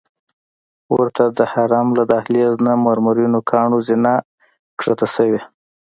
ورته د حرم له دهلیز نه مرمرینو کاڼو زینه ښکته شوې.